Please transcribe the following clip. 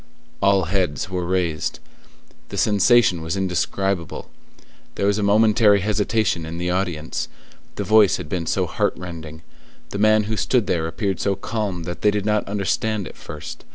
All heads were raised: the sensation was indescribable; there was a momentary hesitation in the audience, the voice had been so heart rending; the man who stood there appeared so calm that they did not understand at first.